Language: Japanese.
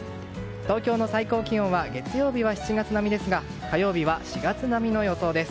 東京の最高気温は月曜日は７月並みですが火曜日は４月並みの予想です。